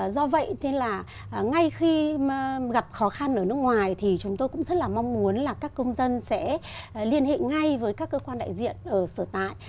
do vậy ngay khi gặp khó khăn ở nước ngoài thì chúng tôi cũng rất mong muốn các công dân sẽ liên hệ ngay với các cơ quan đại diện ở sở tại